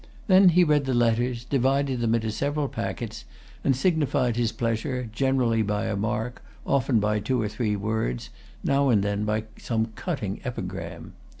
Then he read the letters, divided them into several packets, and signified his pleasure, generally by a mark, often by two or three words, now and then by some cutting epigram.